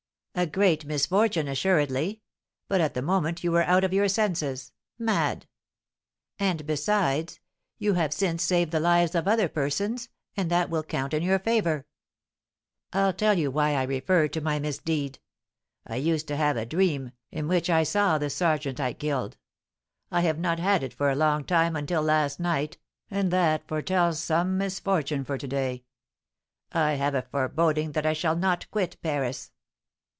"A great misfortune, assuredly; but, at the moment, you were out of your senses, mad. And besides, you have since saved the lives of other persons, and that will count in your favour." "I'll tell you why I refer to my misdeed. I used to have a dream, in which I saw the sergeant I killed. I have not had it for a long time until last night, and that foretells some misfortune for to day. I have a foreboding that I shall not quit Paris."